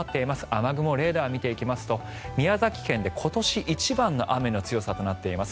雨雲レーダーを見ていきますと宮崎県で今年一番の雨の強さとなっています。